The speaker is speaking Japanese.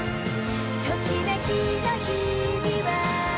「ときめきの日々は」